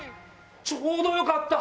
ちょうどよかった！